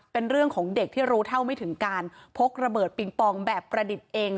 เป็นเรื่องของเด็กที่รู้เท่าไม่ถึงการพกระเบิดปิงปองแบบประดิษฐ์เอง